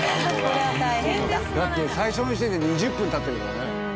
だって最初の時点で２０分経ってるからね。